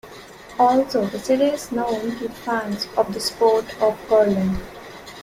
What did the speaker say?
Also, the city is known to fans of the sport of curling.